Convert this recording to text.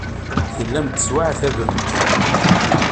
Tellamt tettwaɛettabemt.